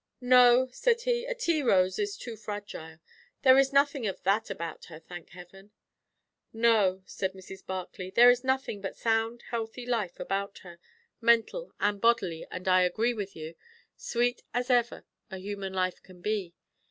"No," said he, "a tea rose is too fragile. There is nothing of that about her, thank heaven!" "No," said Mrs. Barclay, "there is nothing but sound healthy life about her; mental and bodily; and I agree with you, sweet as ever a human life can be.